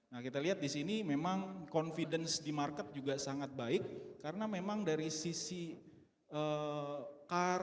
nah kita lihat di sini memang confidence di market juga sangat baik karena memang dari sisi car